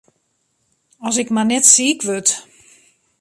As ik mar net siik wurd!